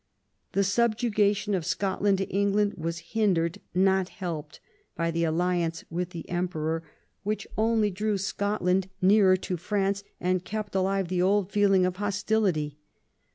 The subjugation of Scotland to England was hindered, not helped, by the alliance with the Emperor, which only drew Scotland VI THE IMPERIAL ALLIANCE 99 nearer to France, and kept alive the old feeling of hostility.